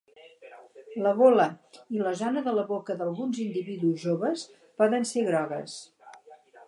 La gola i la zona de la boca d'alguns individus joves poden ser grogues.